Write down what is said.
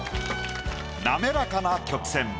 滑らかな曲線。